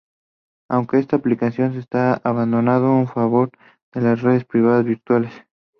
Aunque esta aplicación se está abandonando en favor de las redes privadas virtuales.